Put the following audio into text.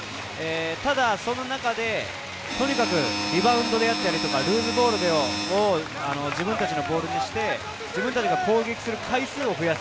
ただ、そんな中でリバウンドであったりルーズボール、を自分のボールにして、自分たちが攻撃する回数を増やす。